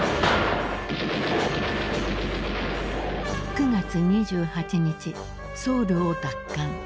９月２８日ソウルを奪還。